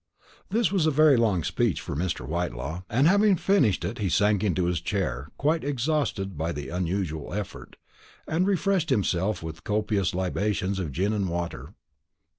This was a very long speech for Mr. Whitelaw; and, having finished it, he sank into his chair, quite exhausted by the unusual effort, and refreshed himself with copious libations of gin and water.